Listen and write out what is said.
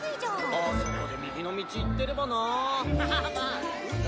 ・あそこで右の道行ってればな。